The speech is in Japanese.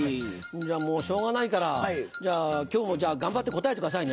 じゃもうしょうがないから今日も頑張って答えてくださいね。